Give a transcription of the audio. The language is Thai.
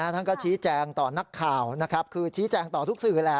ท่านก็ชี้แจงต่อนักข่าวนะครับคือชี้แจงต่อทุกสื่อแหละ